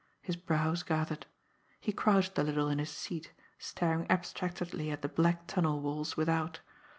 His brows gathered. He crouched a little in his seat, staring abstractedly at the black tunnel walls without.